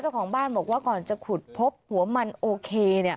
ของบ้านบอกว่าก่อนจะขุดพบหัวมันโอเค